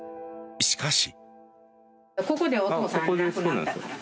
しかし。